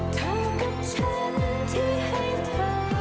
เธอกับฉันที่ให้เธอ